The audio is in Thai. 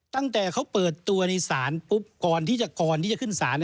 ตั้งแต่เขาเปิดตัวในศาลปุ๊บก่อนที่จะขึ้นศาล